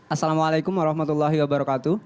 assalamu'alaikum warahmatullahi wabarakatuh